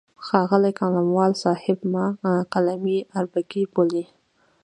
ښاغلی قلموال صاحب ما قلمي اربکی بولي.